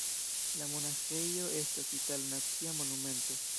La monaĥejo estas itala nacia monumento.